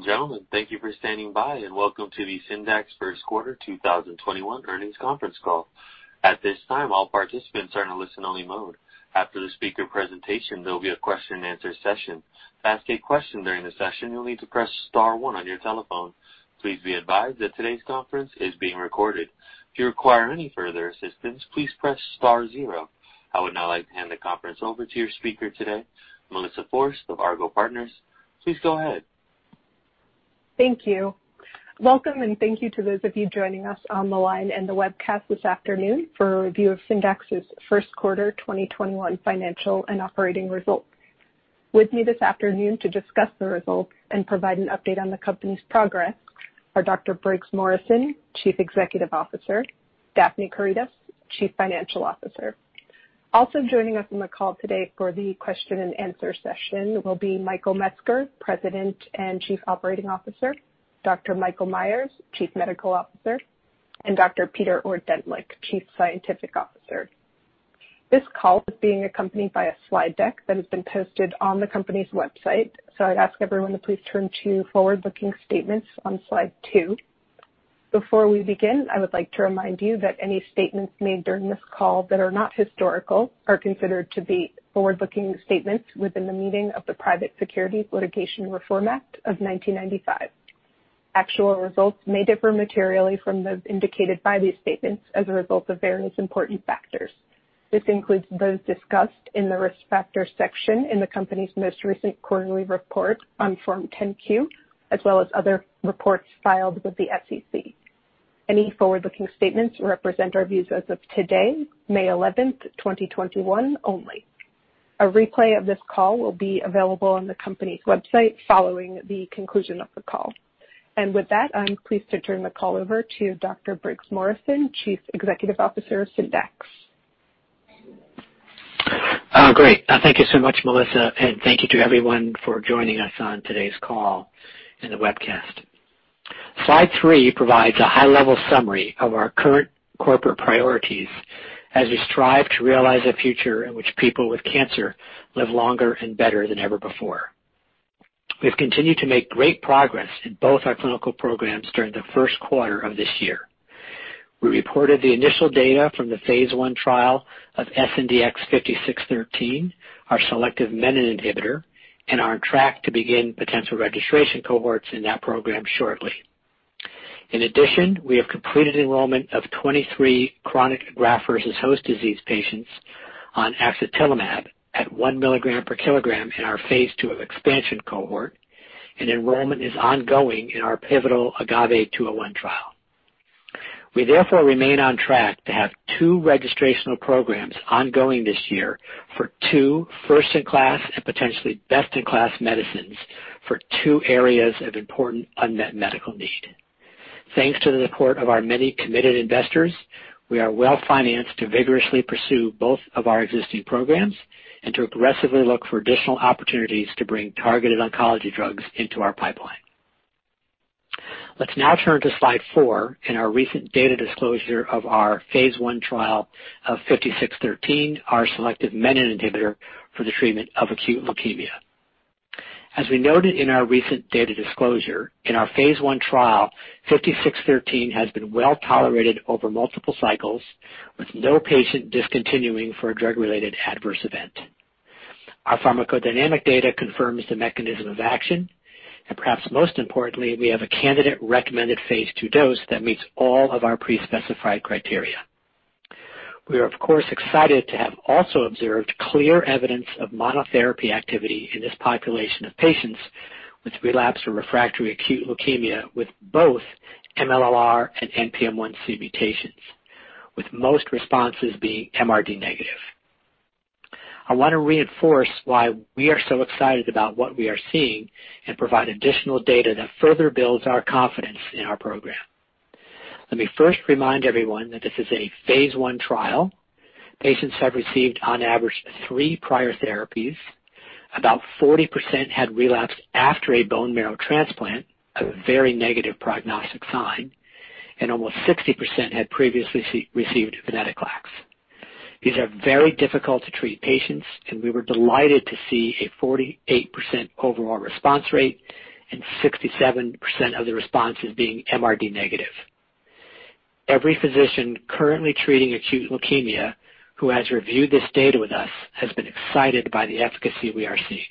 Ladies and gentlemen, thank you for standing by, and welcome to the Syndax First Quarter 2021 Earnings Conference Call. At this time, all participants are in a listen-only mode. After the speaker presentation, there will be a question-and-answer session. To ask a question during the session, you'll need to press star one on your telephone. Please be advised that today's conference is being recorded. If you require any further assistance, please press star zero. I would now like to hand the conference over to your speaker today, Melissa Forst of Argot Partners. Please go ahead. Thank you. Welcome, and thank you to those of you joining us on the line and the webcast this afternoon for a review of Syndax's first quarter 2021 financial and operating results. With me this afternoon to discuss the results and provide an update on the company's progress are Dr. Briggs Morrison, Chief Executive Officer, Daphne Karydas, Chief Financial Officer. Also joining us on the call today for the question-and-answer session will be Michael Metzger, President and Chief Operating Officer, Dr. Michael Meyers, Chief Medical Officer, and Dr. Peter Ordentlich, Chief Scientific Officer. This call is being accompanied by a slide deck that has been posted on the company's website, so I'd ask everyone to please turn to Forward-Looking Statements on slide two. Before we begin, I would like to remind you that any statements made during this call that are not historical are considered to be forward-looking statements within the meaning of the Private Securities Litigation Reform Act of 1995. Actual results may differ materially from those indicated by these statements as a result of various important factors. This includes those discussed in the Risk Factor section in the company's most recent quarterly report on Form 10-Q, as well as other reports filed with the SEC. Any forward-looking statements represent our views as of today, May 11th, 2021, only. A replay of this call will be available on the company's website following the conclusion of the call. With that, I'm pleased to turn the call over to Dr. Briggs Morrison, Chief Executive Officer of Syndax. Great. Thank you so much, Melissa Forst, and thank you to everyone for joining us on today's call and the webcast. Slide three provides a high-level summary of our current corporate priorities as we strive to realize a future in which people with cancer live longer and better than ever before. We've continued to make great progress in both our clinical programs during the first quarter of this year. We reported the initial data from the phase I trial of SNDX-5613, our selective menin inhibitor, and are on track to begin potential registration cohorts in that program shortly. In addition, we have completed enrollment of 23 chronic graft-versus-host disease patients on axatilimab at 1 mg per kilogram in our phase II expansion cohort, and enrollment is ongoing in our pivotal AGAVE-201 trial. We therefore remain on track to have two registrational programs ongoing this year for two first-in-class and potentially best-in-class medicines for two areas of important unmet medical need. Thanks to the support of our many committed investors, we are well-financed to vigorously pursue both of our existing programs and to aggressively look for additional opportunities to bring targeted oncology drugs into our pipeline. Let's now turn to slide four and our recent data disclosure of our phase I trial of 5613, our selective menin inhibitor for the treatment of acute leukemia. As we noted in our recent data disclosure, in our phase I trial, 5613 has been well tolerated over multiple cycles with no patient discontinuing for a drug-related adverse event. Our pharmacodynamic data confirms the mechanism of action, and perhaps most importantly, we have a candidate-recommended phase II dose that meets all of our pre-specified criteria. We are of course excited to have also observed clear evidence of monotherapy activity in this population of patients with relapsed or refractory acute leukemia with both MLL-r and NPM1C mutations, with most responses being MRD negative. I want to reinforce why we are so excited about what we are seeing and provide additional data that further builds our confidence in our program. Let me first remind everyone that this is a phase I trial. Patients have received on average three prior therapies. About 40% had relapsed after a bone marrow transplant, a very negative prognostic sign, and almost 60% had previously received venetoclax. These are very difficult-to-treat patients, we were delighted to see a 48% overall response rate and 67% of the responses being MRD negative. Every physician currently treating acute leukemia who has reviewed this data with us has been excited by the efficacy we are seeing.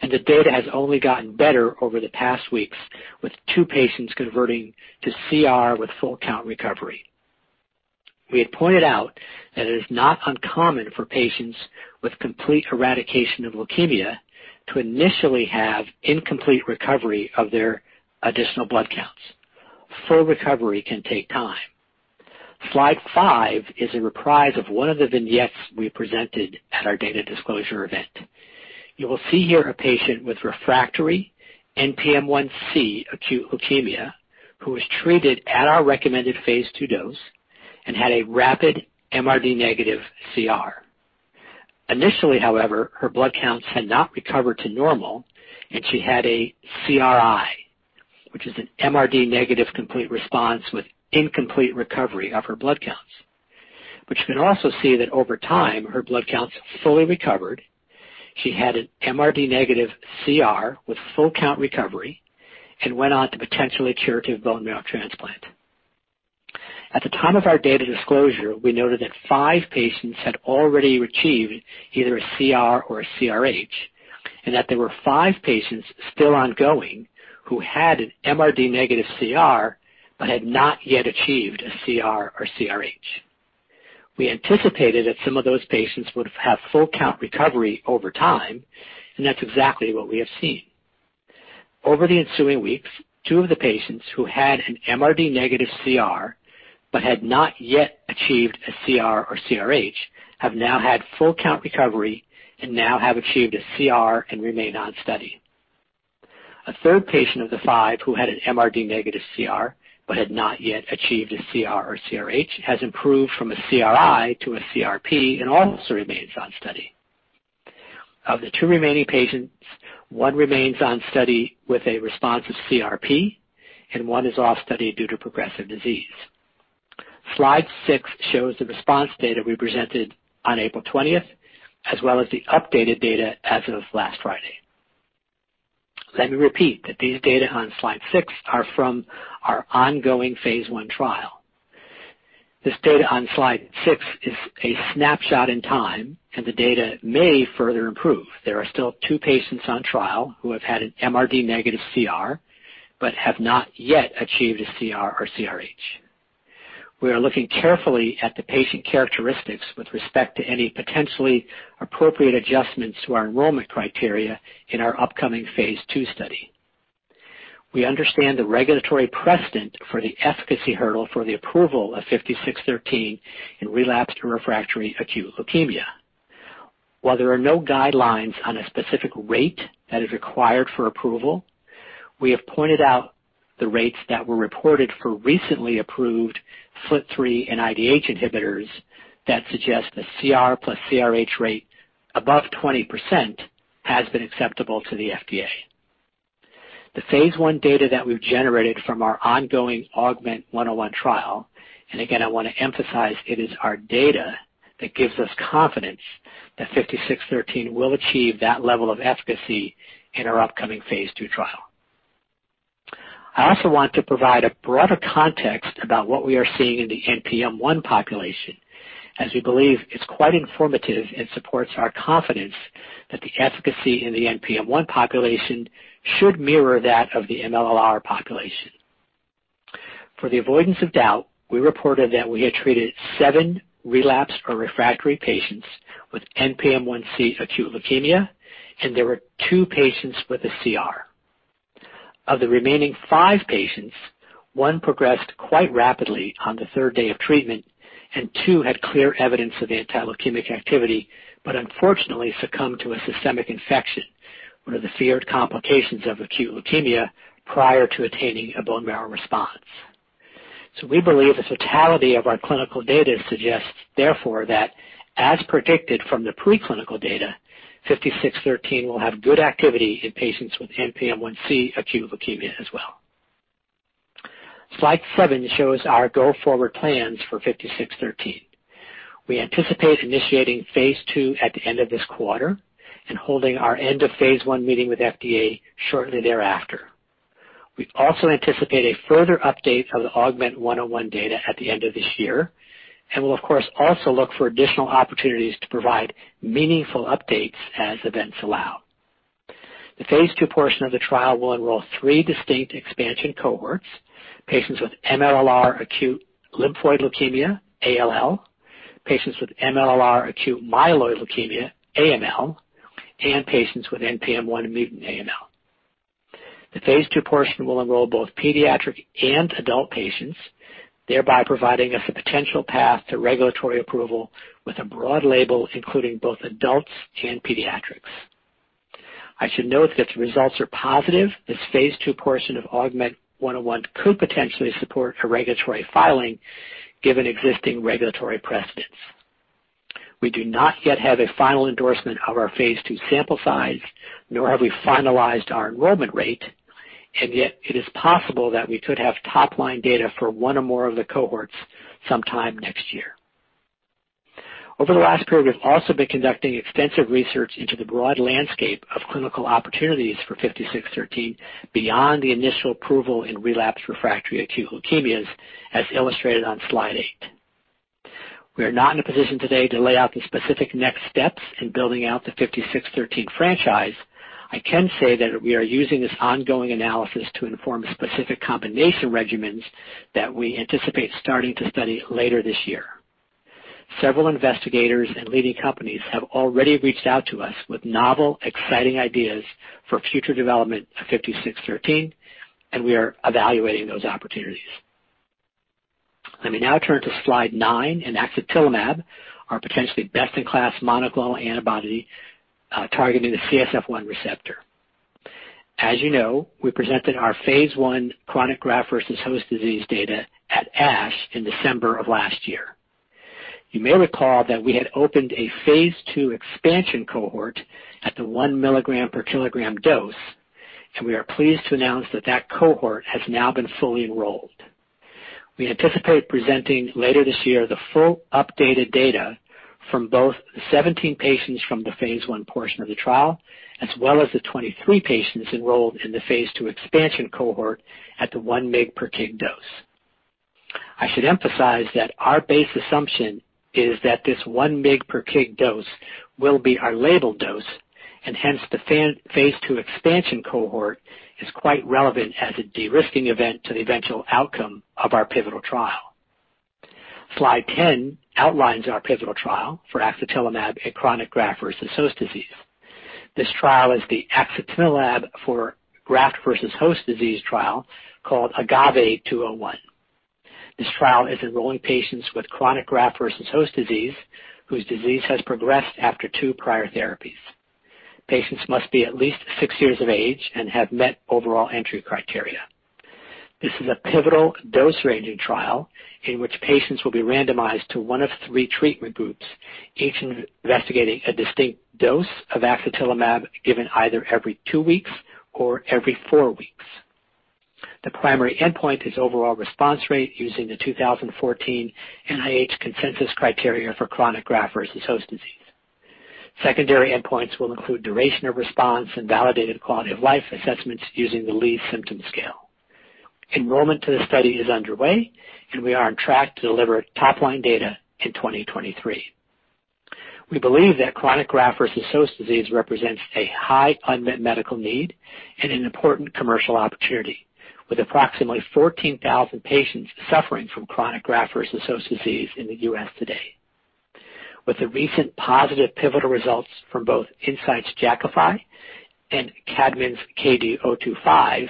The data has only gotten better over the past weeks, with two patients converting to CR with full count recovery. We had pointed out that it is not uncommon for patients with complete eradication of leukemia to initially have incomplete recovery of their additional blood counts. Full recovery can take time. Slide five is a reprise of one of the vignettes we presented at our data disclosure event. You will see here a patient with refractory NPM1C acute leukemia who was treated at our recommended phase II dose and had a rapid MRD negative CR. Initially, however, her blood counts had not recovered to normal, and she had a CR, which is an MRD negative complete response with incomplete recovery of her blood counts. You can also see that over time, her blood counts fully recovered. She had an MRD negative CR with full count recovery and went on to potentially curative bone marrow transplant. At the time of our data disclosure, we noted that five patients had already achieved either a CR or a CRh, and that there were five patients still ongoing who had an MRD negative CR but had not yet achieved a CR or CRh. We anticipated that some of those patients would have full count recovery over time, and that's exactly what we have seen. Over the ensuing weeks, two of the patients who had an MRD negative CR, but had not yet achieved a CR or CRh, have now had full count recovery and now have achieved a CR and remain on study. A third patient of the five who had an MRD negative CR, but had not yet achieved a CR or CRh, has improved from a CRi to a CRp and also remains on study. Of the two remaining patients, one remains on study with a responsive CRp, and one is off study due to progressive disease. Slide six shows the response data we presented on April 20th, as well as the updated data as of last Friday. Let me repeat that these data on slide six are from our ongoing phase I trial. This data on slide six is a snapshot in time, and the data may further improve. There are still two patients on trial who have had an MRD negative CR but have not yet achieved a CR or CRh. We are looking carefully at the patient characteristics with respect to any potentially appropriate adjustments to our enrollment criteria in our upcoming phase II study. We understand the regulatory precedent for the efficacy hurdle for the approval of SNDX-5613 in relapsed or refractory acute leukemia. While there are no guidelines on a specific rate that is required for approval, we have pointed out the rates that were reported for recently approved FLT3 and IDH inhibitors that suggest a CR plus CRh rate above 20% has been acceptable to the FDA. The phase I data that we've generated from our ongoing AUGMENT-101 trial, and again, I want to emphasize it is our data that gives us confidence that SNDX-5613 will achieve that level of efficacy in our upcoming phase II trial. I also want to provide a broader context about what we are seeing in the NPM1 population, as we believe it's quite informative and supports our confidence that the efficacy in the NPM1 population should mirror that of the MLL-r population. For the avoidance of doubt, we reported that we had treated seven relapsed or refractory patients with NPM1C acute leukemia, and there were two patients with a CR. Of the remaining five patients, one progressed quite rapidly on the third day of treatment, and two had clear evidence of antileukemic activity, but unfortunately succumbed to a systemic infection, one of the feared complications of acute leukemia, prior to attaining a bone marrow response. We believe the totality of our clinical data suggests, therefore, that as predicted from the preclinical data, 5613 will have good activity in patients with NPM1C acute leukemia as well. Slide seven shows our go forward plans for 5613. We anticipate initiating phase II at the end of this quarter and holding our end of phase I meeting with FDA shortly thereafter. We also anticipate a further update of the AUGMENT-101 data at the end of this year and will, of course, also look for additional opportunities to provide meaningful updates as events allow. The phase II portion of the trial will enroll three distinct expansion cohorts, patients with MLL-r acute lymphoid leukemia, ALL, patients with MLL-r acute myeloid leukemia, AML, and patients with NPM1 mutant AML. The phase II portion will enroll both pediatric and adult patients, thereby providing us a potential path to regulatory approval with a broad label including both adults and pediatrics. I should note that if the results are positive, this phase II portion of AUGMENT-101 could potentially support a regulatory filing, given existing regulatory precedents. We do not yet have a final endorsement of our phase II sample size, nor have we finalized our enrollment rate, and yet it is possible that we could have top-line data for one or more of the cohorts sometime next year. Over the last period, we've also been conducting extensive research into the broad landscape of clinical opportunities for SNDX-5613 beyond the initial approval in relapsed refractory acute leukemias, as illustrated on slide eight. We are not in a position today to lay out the specific next steps in building out the SNDX-5613 franchise. I can say that we are using this ongoing analysis to inform specific combination regimens that we anticipate starting to study later this year. Several investigators and leading companies have already reached out to us with novel, exciting ideas for future development of SNDX-5613, and we are evaluating those opportunities. Let me now turn to slide nine and axatilimab, our potentially best-in-class monoclonal antibody targeting the CSF1 receptor. As you know, we presented our phase I chronic graft-versus-host disease data at ASH in December of last year. You may recall that we had opened a phase II expansion cohort at the 1 mg per kilogram dose, we are pleased to announce that that cohort has now been fully enrolled. We anticipate presenting later this year the full updated data from both the 17 patients from the phase I portion of the trial, as well as the 23 patients enrolled in the phase II expansion cohort at the one mg per kg dose. I should emphasize that our base assumption is that this 1 mg per kg dose will be our label dose. Hence, the phase II expansion cohort is quite relevant as a de-risking event to the eventual outcome of our pivotal trial. Slide 10 outlines our pivotal trial for axatilimab in chronic graft-versus-host disease. This trial is the axatilimab for graft-versus-host disease trial called AGAVE-201. This trial is enrolling patients with chronic graft-versus-host disease whose disease has progressed after two prior therapies. Patients must be at least six years of age and have met overall entry criteria. This is a pivotal dose-ranging trial in which patients will be randomized to one of three treatment groups, each investigating a distinct dose of axatilimab given either every two weeks or every four weeks. The primary endpoint is overall response rate using the 2014 NIH consensus criteria for chronic graft-versus-host disease. Secondary endpoints will include duration of response and validated quality of life assessments using the Lee Symptom Scale. Enrollment to the study is underway, and we are on track to deliver top-line data in 2023. We believe that chronic graft-versus-host disease represents a high unmet medical need and an important commercial opportunity, with approximately 14,000 patients suffering from chronic graft-versus-host disease in the U.S. today. With the recent positive pivotal results from both Incyte's Jakafi and Kadmon's KD025,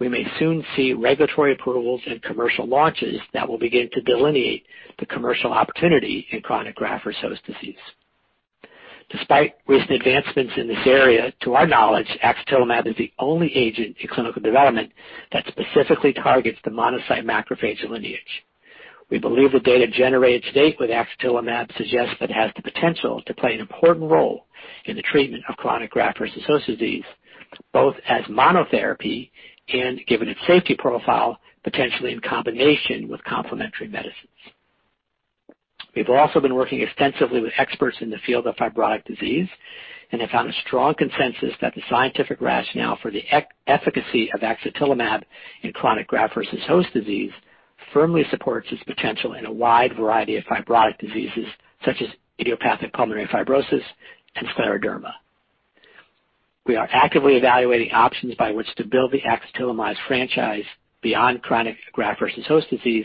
we may soon see regulatory approvals and commercial launches that will begin to delineate the commercial opportunity in chronic graft-versus-host disease. Despite recent advancements in this area, to our knowledge, axatilimab is the only agent in clinical development that specifically targets the monocyte-macrophage lineage. We believe the data generated to date with axatilimab suggests it has the potential to play an important role in the treatment of chronic graft-versus-host disease, both as monotherapy and, given its safety profile, potentially in combination with complementary medicines. We've also been working extensively with experts in the field of fibrotic disease and have found a strong consensus that the scientific rationale for the efficacy of axatilimab in chronic graft-versus-host disease firmly supports its potential in a wide variety of fibrotic diseases, such as idiopathic pulmonary fibrosis and scleroderma. We are actively evaluating options by which to build the axatilimab franchise beyond chronic graft-versus-host disease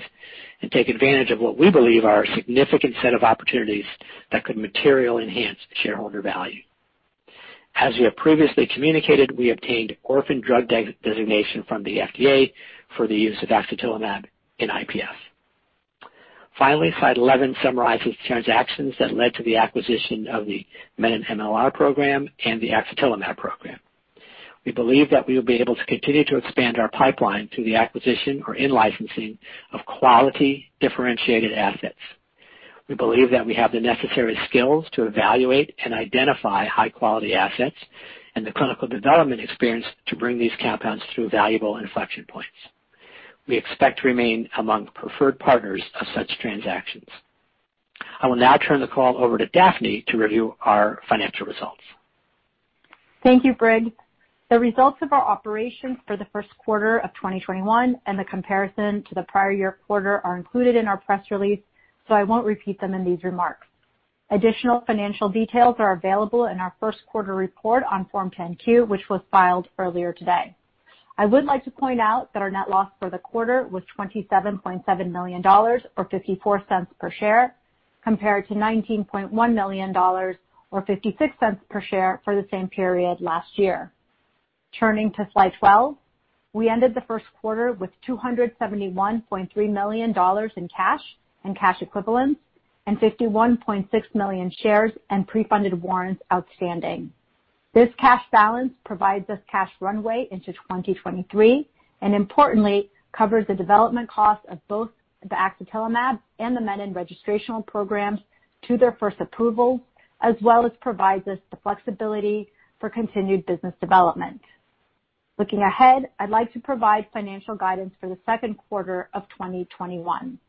and take advantage of what we believe are a significant set of opportunities that could materially enhance shareholder value. As we have previously communicated, we obtained orphan drug designation from the FDA for the use of axatilimab in IPF. Finally, slide 11 summarizes transactions that led to the acquisition of the menin MLL-r program and the axatilimab program. We believe that we will be able to continue to expand our pipeline through the acquisition or in-licensing of quality differentiated assets. We believe that we have the necessary skills to evaluate and identify high-quality assets and the clinical development experience to bring these compounds to valuable inflection points. We expect to remain among preferred partners of such transactions. I will now turn the call over to Daphne to review our financial results. Thank you, Briggs Morrison. The results of our operations for the first quarter of 2021 and the comparison to the prior year quarter are included in our press release, so I won't repeat them in these remarks. Additional financial details are available in our first quarter report on Form 10-Q, which was filed earlier today. I would like to point out that our net loss for the quarter was $27.7 million, or $0.54 per share, compared to $19.1 million or $0.56 per share for the same period last year. Turning to slide 12. We ended the first quarter with $271.3 million in cash and cash equivalents and 51.6 million shares and pre-funded warrants outstanding. This cash balance provides us cash runway into 2023, and importantly, covers the development cost of both the axatilimab and the menin registrational programs to their first approvals, as well as provides us the flexibility for continued business development. Looking ahead, I'd like to provide financial guidance for the second quarter of 2021.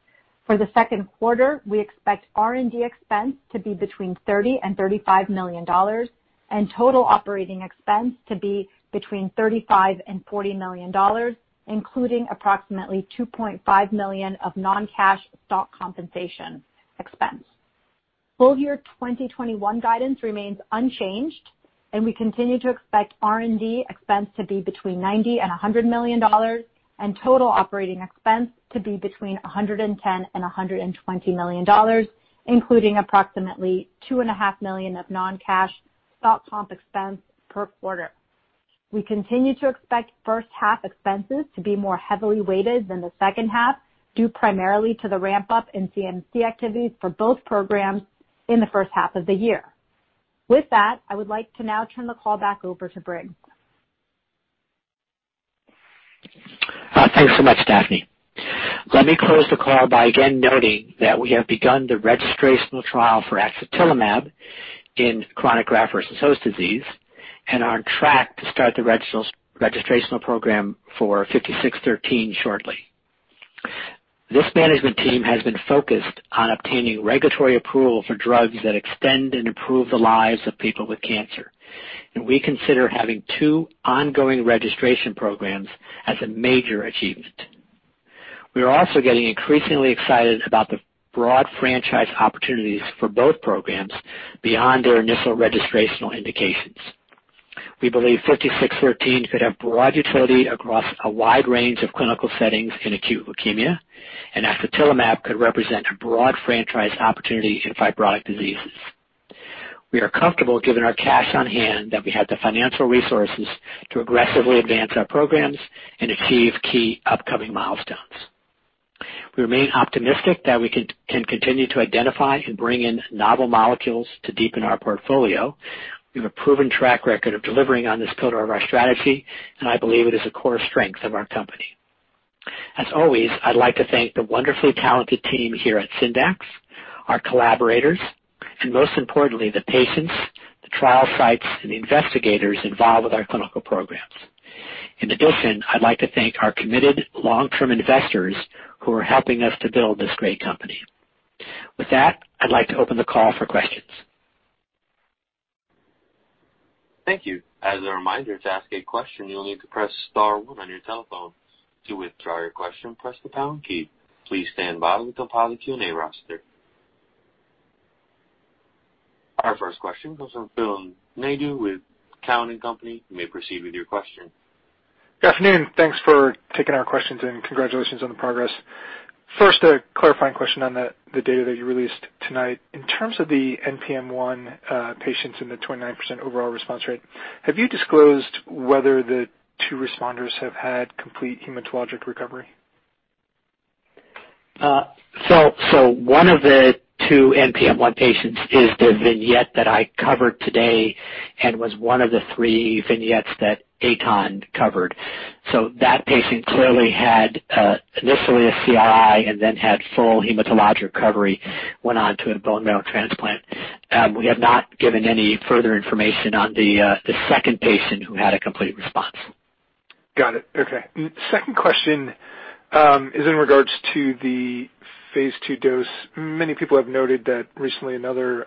For the second quarter, we expect R&D expense to be between $30 million and $35 million, and total operating expense to be between $35 million and $40 million, including approximately $2.5 million of non-cash stock compensation expense. Full year 2021 guidance remains unchanged, and we continue to expect R&D expense to be between $90 million and $100 million, and total operating expense to be between $110 million and $120 million, including approximately $2.5 million of non-cash stock comp expense per quarter. We continue to expect first half expenses to be more heavily weighted than the second half, due primarily to the ramp-up in CMC activities for both programs in the first half of the year. With that, I would like to now turn the call back over to Briggs. Thanks so much, Daphne. Let me close the call by again noting that we have begun the registrational trial for axatilimab in chronic graft-versus-host disease and are on track to start the registrational program for 5613 shortly. This management team has been focused on obtaining regulatory approval for drugs that extend and improve the lives of people with cancer, and we consider having two ongoing registration programs as a major achievement. We are also getting increasingly excited about the broad franchise opportunities for both programs beyond their initial registrational indications. We believe 5613 could have broad utility across a wide range of clinical settings in acute leukemia, and axatilimab could represent a broad franchise opportunity in fibrotic diseases. We are comfortable, given our cash on hand, that we have the financial resources to aggressively advance our programs and achieve key upcoming milestones. We remain optimistic that we can continue to identify and bring in novel molecules to deepen our portfolio. We have a proven track record of delivering on this pillar of our strategy, and I believe it is a core strength of our company. As always, I'd like to thank the wonderfully talented team here at Syndax, our collaborators, and most importantly, the patients, the trial sites, and the investigators involved with our clinical programs. In addition, I'd like to thank our committed long-term investors who are helping us to build this great company. With that, I'd like to open the call for questions. Thank you. As a reminder, to ask a question, you'll need to press star one on your telephone. To withdraw your question, press the pound key. Please stand by while we compile the Q&A roster. Our first question comes from Phil Nadeau with Cowen and Company. You may proceed with your question. Good afternoon. Thanks for taking our questions. Congratulations on the progress. First, a clarifying question on the data that you released tonight. In terms of the NPM1 patients and the 29% overall response rate, have you disclosed whether the two responders have had complete hematologic recovery? One of the two NPM1 patients is the vignette that I covered today and was one of the three vignettes that Eytan covered. That patient clearly had initially a CRi and then had full hematologic recovery, went on to a bone marrow transplant. We have not given any further information on the second patient who had a complete response. Got it. Okay. Second question is in regards to the phase II dose. Many people have noted that recently another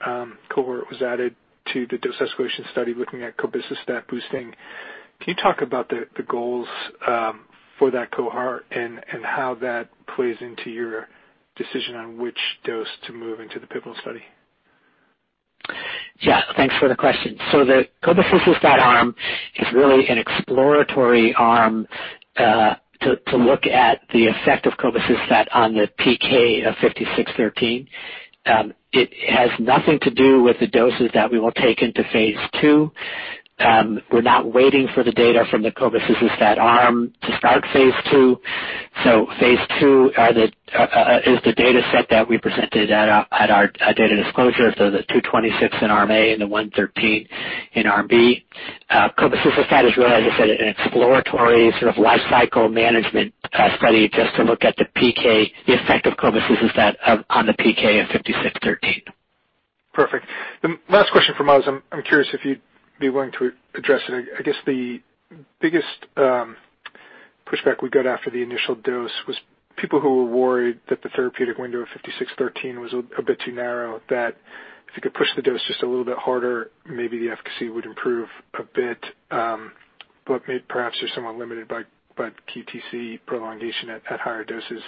cohort was added to the dose escalation study looking at cobicistat boosting. Can you talk about the goals for that cohort and how that plays into your decision on which dose to move into the pivotal study? Yeah, thanks for the question. The cobicistat arm is really an exploratory arm to look at the effect of cobicistat on the PK of 5613. It has nothing to do with the doses that we will take into phase II. We're not waiting for the data from the cobicistat arm to start phase II. phase II is the data set that we presented at our data disclosure, the 226 in Arm A and the 113 in Arm B. Cobicistat is really, as I said, an exploratory sort of lifecycle management study just to look at the effect of cobicistat on the PK of 5613. Perfect. The last question from us, I'm curious if you'd be willing to address it. I guess the biggest pushback we got after the initial dose was people who were worried that the therapeutic window of SNDX-5613 was a bit too narrow, that if you could push the dose just a little bit harder, maybe the efficacy would improve a bit, but maybe perhaps you're somewhat limited by QTc prolongation at higher doses.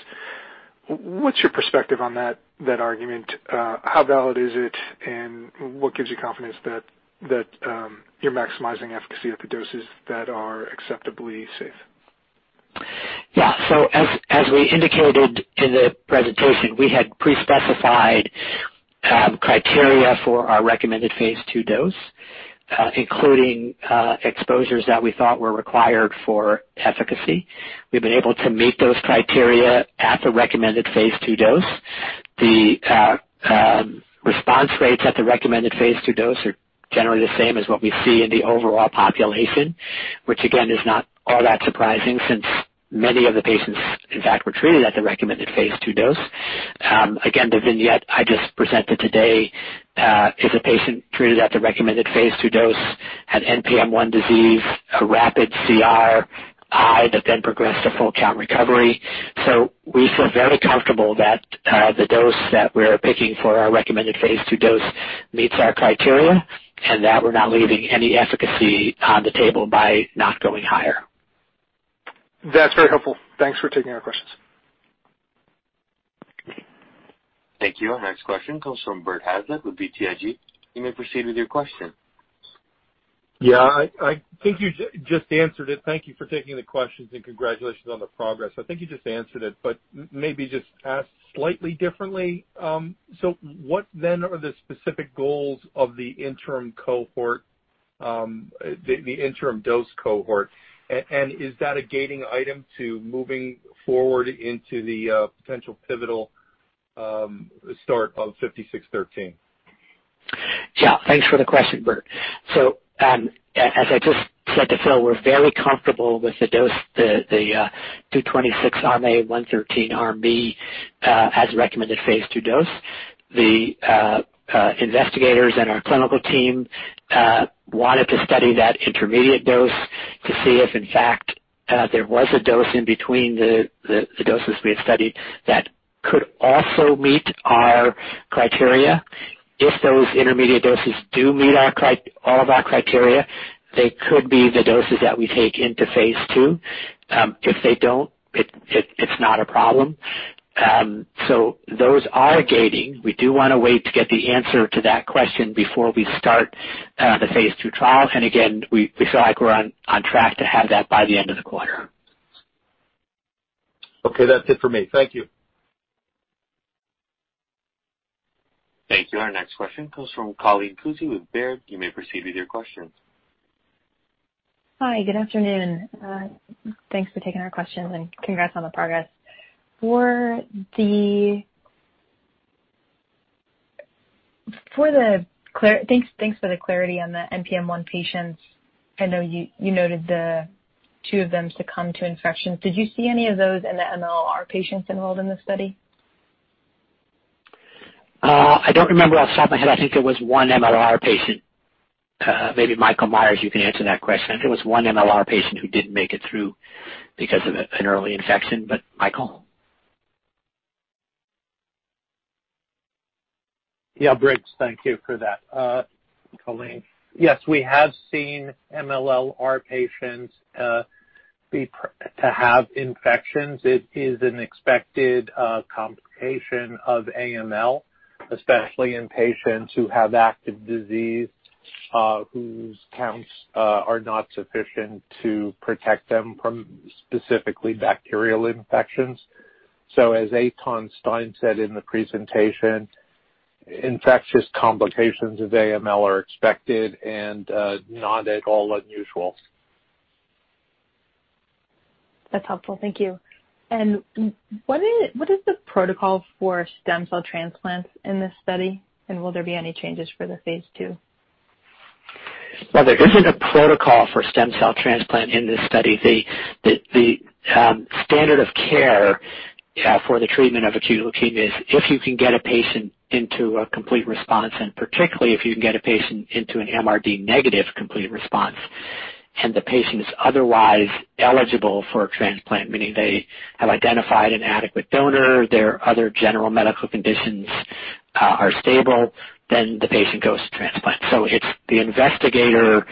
What's your perspective on that argument? How valid is it, and what gives you confidence that you're maximizing efficacy at the doses that are acceptably safe? Yeah. As we indicated in the presentation, we had pre-specified criteria for our recommended phase II dose, including exposures that we thought were required for efficacy. We've been able to meet those criteria at the recommended phase II dose. The response rates at the recommended phase II dose are generally the same as what we see in the overall population, which again, is not all that surprising since many of the patients, in fact, were treated at the recommended phase II dose. Again, the vignette I just presented today is a patient treated at the recommended phase II dose, had NPM1 disease, a rapid CRi that then progressed to full count recovery. We feel very comfortable that the dose that we're picking for our recommended phase II dose meets our criteria and that we're not leaving any efficacy on the table by not going higher. That's very helpful. Thanks for taking our questions. Thank you. Our next question comes from Bert Hazlett with BTIG. You may proceed with your question. Yeah, I think you just answered it. Thank you for taking the questions, and congratulations on the progress. I think you just answered it, but maybe just asked slightly differently. What then are the specific goals of the interim dose cohort, and is that a gating item to moving forward into the potential pivotal start of 5613? Thanks for the question, Bert. As I just said to Phil, we're very comfortable with the dose, the 226 arm A, 113 arm B, as recommended phase II dose. The investigators and our clinical team wanted to study that intermediate dose to see if, in fact, there was a dose in between the doses we had studied that could also meet our criteria. If those intermediate doses do meet all of our criteria, they could be the doses that we take into phase II. If they don't, it's not a problem. Those are gating. We do want to wait to get the answer to that question before we start the phase II trial. Again, we feel like we're on track to have that by the end of the quarter. Okay. That's it for me. Thank you. Thank you. Our next question comes from Colleen Kusy with Baird. You may proceed with your questions. Hi, good afternoon. Thanks for taking our questions and congrats on the progress. Thanks for the clarity on the NPM1 patients. I know you noted the two of them succumbed to infections. Did you see any of those in the MLL-r patients enrolled in this study? I don't remember off the top of my head. I think it was one MLL-r patient. Maybe Michael Meyers, you can answer that question. I think it was one MLL-r patient who didn't make it through because of an early infection. Michael? Yeah, Briggs, thank you for that, Colleen. Yes, we have seen MLL-r patients to have infections. It is an expected complication of AML, especially in patients who have active disease, whose counts are not sufficient to protect them from specifically bacterial infections. As Eytan Stein said in the presentation, infectious complications of AML are expected and not at all unusual. That's helpful. Thank you. What is the protocol for stem cell transplants in this study, and will there be any changes for the phase II? Well, there isn't a protocol for stem cell transplant in this study. The standard of care for the treatment of acute leukemia is if you can get a patient into a complete response, and particularly if you can get a patient into an MRD negative complete response, and the patient is otherwise eligible for a transplant, meaning they have identified an adequate donor, their other general medical conditions are stable, then the patient goes to transplant. It's the investigator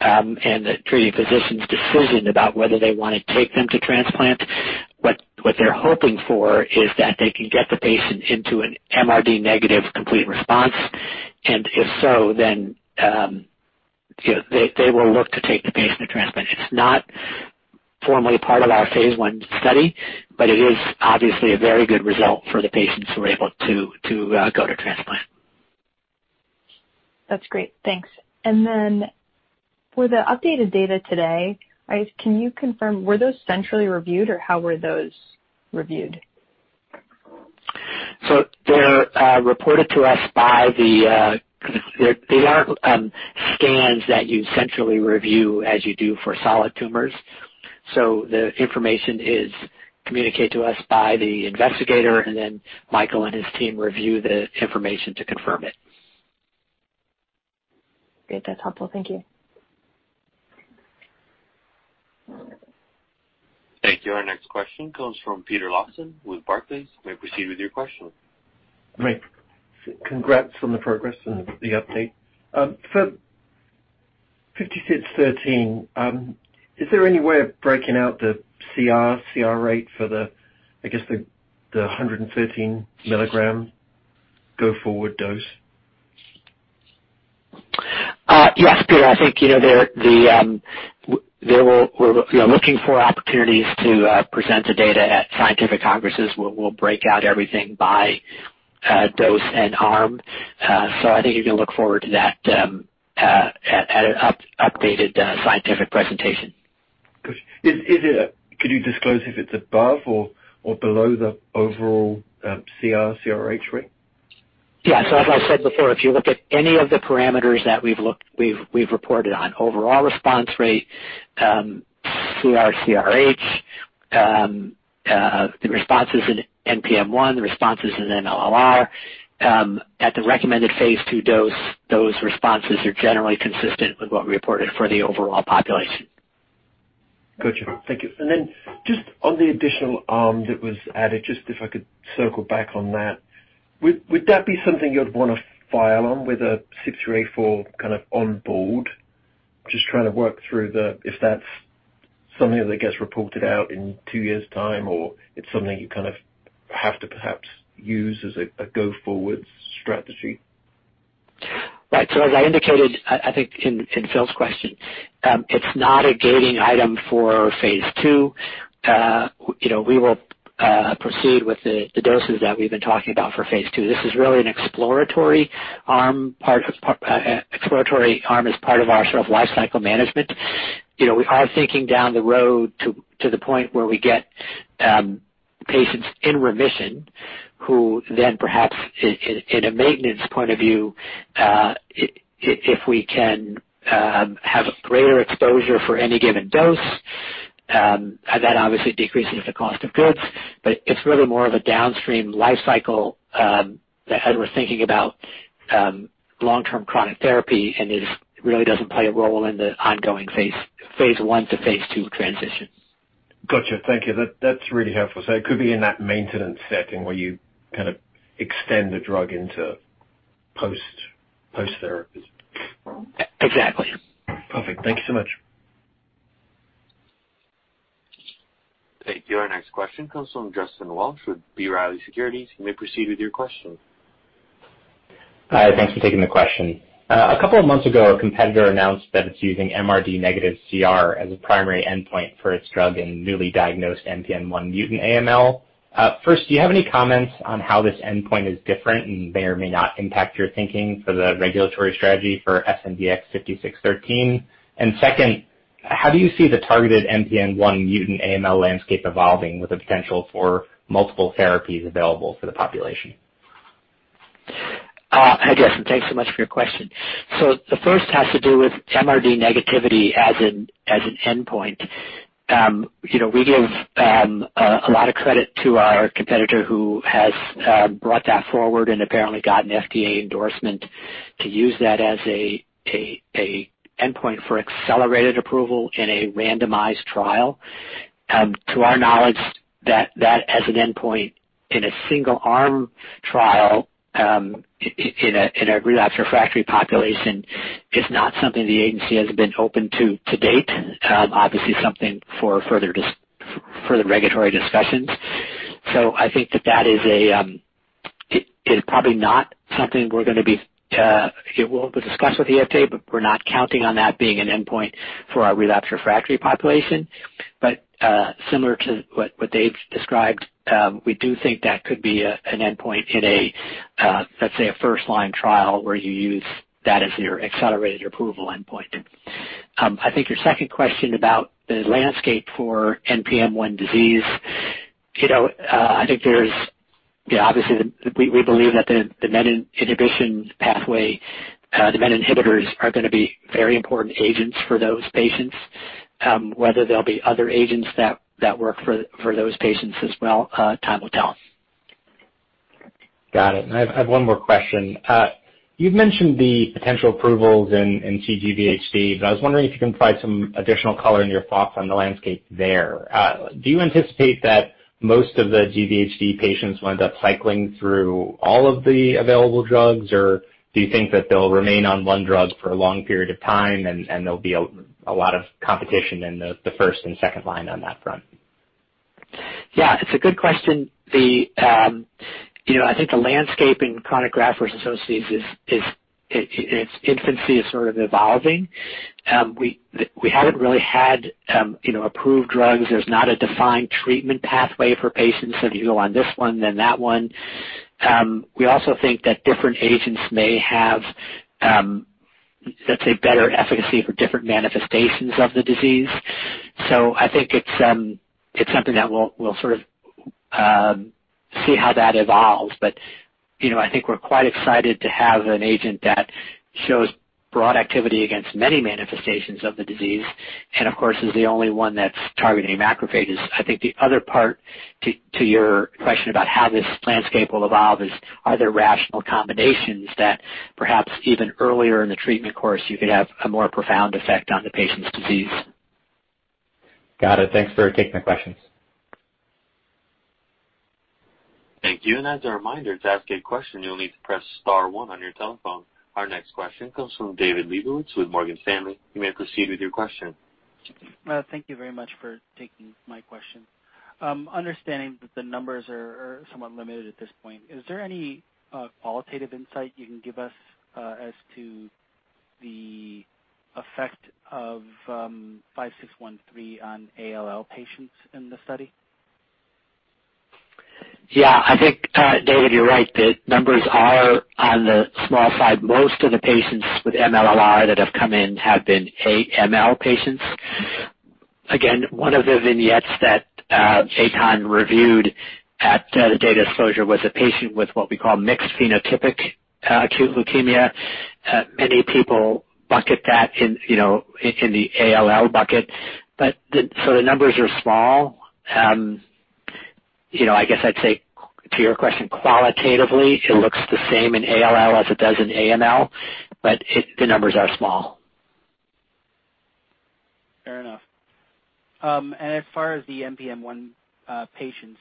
and the treating physician's decision about whether they want to take them to transplant. What they're hoping for is that they can get the patient into an MRD negative complete response, and if so, then they will look to take the patient to transplant. It's not formally part of our phase I study, but it is obviously a very good result for the patients who are able to go to transplant. That's great. Thanks. For the updated data today, can you confirm, were those centrally reviewed or how were those reviewed? They're reported to us. They aren't scans that you centrally review as you do for solid tumors. The information is communicated to us by the investigator, and then Michael and his team review the information to confirm it. Great. That's helpful. Thank you. Thank you. Our next question comes from Peter Lawson with Barclays. You may proceed with your question. Great. Congrats on the progress and the update. For SNDX-5613, is there any way of breaking out the CR rate for the, I guess the 113 mg go forward dose? Yes, Peter, I think we're looking for opportunities to present the data at scientific congresses where we'll break out everything by dose and arm. I think you can look forward to that at an updated scientific presentation. Good. Could you disclose if it's above or below the overall CR, CRh rate? Yeah. As I said before, if you look at any of the parameters that we've reported on, overall response rate, CR, CRh, the responses in NPM1, the responses in MLL-r, at the recommended phase II dose, those responses are generally consistent with what we reported for the overall population. Got you. Thank you. Just on the additional arm that was added, just if I could circle back on that. Would that be something you'd want to file on with a CYP3A4 kind of on board? Just trying to work through if that's something that gets reported out in two years' time or it's something you kind of have to perhaps use as a go-forward strategy. Right. As I indicated, I think in Phil's question, it's not a gating item for phase II. We will proceed with the doses that we've been talking about for phase II. This is really an exploratory arm as part of our sort of life cycle management. We are thinking down the road to the point where we get patients in remission who then perhaps in a maintenance point of view, if we can have greater exposure for any given dose, that obviously decreases the cost of goods. It's really more of a downstream life cycle that we're thinking about long-term chronic therapy, and it really doesn't play a role in the ongoing phase I to phase II transition. Got you. Thank you. That's really helpful. It could be in that maintenance setting where you kind of extend the drug into post therapies. Exactly. Perfect. Thank you so much. Thank you. Our next question comes from Justin Walsh with B. Riley Securities. You may proceed with your question. Hi, thanks for taking the question. A couple of months ago, a competitor announced that it's using MRD negative CR as a primary endpoint for its drug in newly diagnosed NPM1 mutant AML. First, do you have any comments on how this endpoint is different and may or may not impact your thinking for the regulatory strategy for SNDX-5613? Second, how do you see the targeted NPM1 mutant AML landscape evolving with the potential for multiple therapies available for the population? Hi, Justin. Thanks so much for your question. The first has to do with MRD negativity as an endpoint. We give a lot of credit to our competitor who has brought that forward and apparently got an FDA endorsement to use that as an endpoint for accelerated approval in a randomized trial. To our knowledge, that as an endpoint in a single-arm trial, in a relapsed refractory population, is not something the agency has been open to date. Obviously, something for further regulatory discussions. I think that is probably not something we'll discuss with the FDA, but we're not counting on that being an endpoint for our relapsed refractory population, but similar to what they've described, we do think that could be an endpoint in a, let's say, a first-line trial where you use that as your accelerated approval endpoint. I think your second question about the landscape for NPM1 disease, obviously, we believe that the menin inhibition pathway, the menin inhibitors, are going to be very important agents for those patients. Whether there will be other agents that work for those patients as well, time will tell. Got it. I have one more question. You've mentioned the potential approvals in CGVHD, but I was wondering if you can provide some additional color on your thoughts on the landscape there. Do you anticipate that most of the GVHD patients will end up cycling through all of the available drugs, or do you think that they'll remain on one drug for a long period of time and there'll be a lot of competition in the first and second line on that front? It's a good question. I think the landscape in chronic graft-versus-host disease in its infancy is sort of evolving. We haven't really had approved drugs. There's not a defined treatment pathway for patients, so if you go on this one, then that one. We also think that different agents may have, let's say, better efficacy for different manifestations of the disease. I think it's something that we'll sort of see how that evolves. I think we're quite excited to have an agent that shows broad activity against many manifestations of the disease and of course, is the only one that's targeting macrophages. I think the other part to your question about how this landscape will evolve is, are there rational combinations that perhaps even earlier in the treatment course you could have a more profound effect on the patient's disease? Got it. Thanks for taking the questions. Thank you. As a reminder, to ask a question, you'll need to press star one on your telephone. Our next question comes from David Lebowitz with Morgan Stanley. You may proceed with your question. Thank you very much for taking my question. Understanding that the numbers are somewhat limited at this point, is there any qualitative insight you can give us as to the effect of 5613 on ALL patients in the study? Yeah. I think, David, you're right. The numbers are on the small side. Most of the patients with MLL-r that have come in have been AML patients. One of the vignettes that Eytan reviewed at the data disclosure was a patient with what we call mixed phenotypic acute leukemia. Many people bucket that in the ALL bucket. The numbers are small. I guess I'd say to your question qualitatively, it looks the same in ALL as it does in AML, but the numbers are small. Fair enough. As far as the NPM1 patients,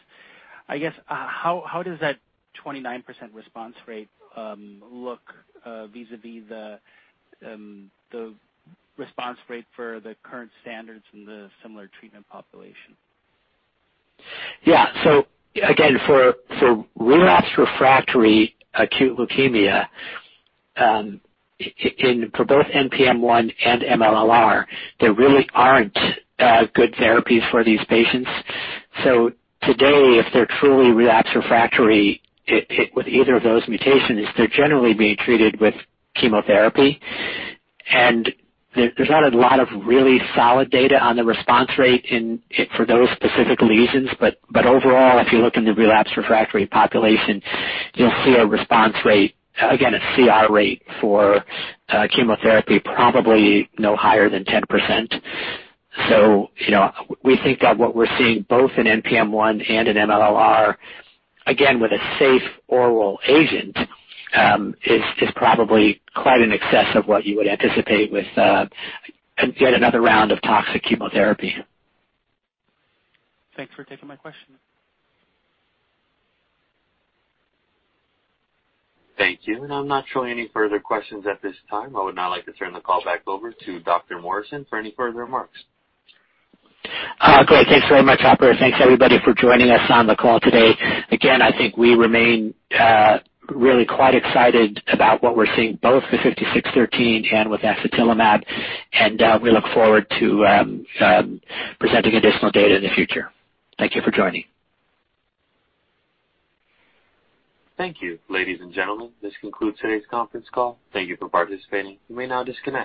I guess, how does that 29% response rate look vis-a-vis the response rate for the current standards in the similar treatment population? Yeah. Again, for relapsed refractory acute leukemia, for both NPM1 and MLL-r, there really aren't good therapies for these patients. Today, if they're truly relapsed refractory with either of those mutations, they're generally being treated with chemotherapy. There's not a lot of really solid data on the response rate for those specific lesions. Overall, if you look in the relapsed refractory population, you'll see a response rate, again, a CR rate for chemotherapy, probably no higher than 10%. We think that what we're seeing both in NPM1 and in MLL-r, again, with a safe oral agent, is probably quite in excess of what you would anticipate with yet another round of toxic chemotherapy. Thanks for taking my question. Thank you. I'm not showing any further questions at this time. I would now like to turn the call back over to Dr. Morrison for any further remarks. Great. Thanks very much, operator. Thanks, everybody, for joining us on the call today. I think we remain really quite excited about what we're seeing, both with 5613 and with axatilimab, and we look forward to presenting additional data in the future. Thank you for joining. Thank you. Ladies and gentlemen, this concludes today's conference call. Thank you for participating. You may now disconnect.